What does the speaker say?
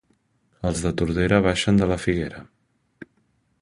Els de Tordera baixen de la figuera